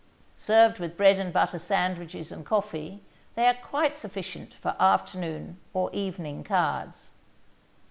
Served with bread and butter sandwiches and coffee they are quite sufficient for afternoon or evening cards.